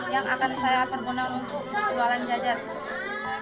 yang akan saya perguna untuk petualan jajan